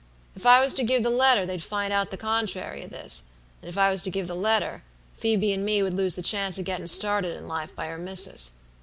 If I was to give the letter they'd find out the contrary of this; and if I was to give the letter, Phoebe and me would lose the chance of gettin' started in life by her missus.